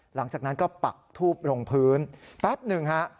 หลังจากนั้นก็ปักทูบลงพื้นแป๊บหนึ่งฮะ